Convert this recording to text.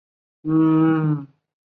妳不要再去那里了